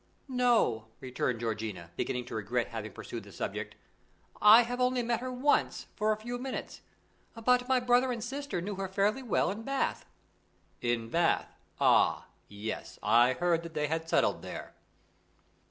"No," returned Georgiana, beginning to regret having pursued the subject, "I have only met her once, for a few minutes, but my brother and sister knew her fairly well in Bath." "In Bath? Ah, yes, I heard that they had settled there."